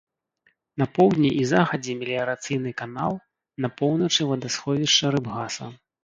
На поўдні і захадзе меліярацыйны канал, на поўначы вадасховішча рыбгаса.